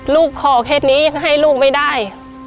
ลูกขอเคสนี้ยังให้ลูกไม่ได้